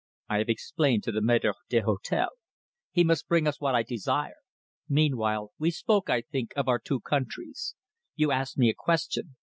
I have explained to the maître d'hôtel. He must bring us what I desire. Meanwhile, we spoke, I think, of our two countries. You asked me a question.